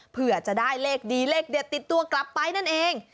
เพื่อจะได้เลขดีเลขเด็ดติดตัวกลับไปนั่นเอง